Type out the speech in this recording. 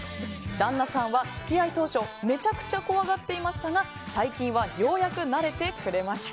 旦那さんは付き合い当初めちゃくちゃ怖がっていましたが最近はようやく慣れてくれました。